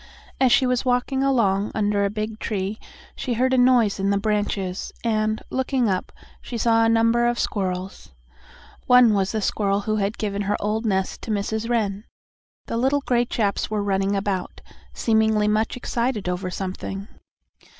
As she was walking along under a big tree, she heard a noise in the branches, and, looking up, she saw a number of squirrels. One was the squirrel who had given her old nest to Mrs. Wren. The little gray chaps were running about, seemingly much excited over something.